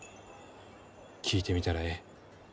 聞いてみたらえい。